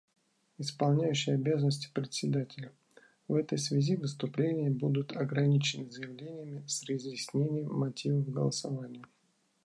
Исполняющий обязанности Председателя: В этой связи выступления будут ограничены заявлениями с разъяснением мотивов голосования.